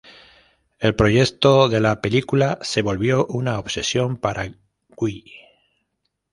El proyecto de la película se volvió una obsesión para Guy.